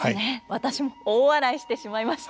私も大笑いしてしまいました。